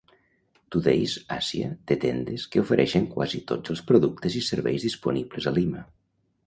Today's Asia té tendes que ofereixen quasi tots els productes i serveis disponibles a Lima.